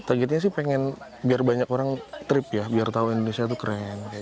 targetnya sih pengen biar banyak orang trip ya biar tahu indonesia tuh keren